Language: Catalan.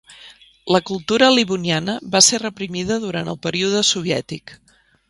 La cultura livoniana va ser reprimida durant el període soviètic.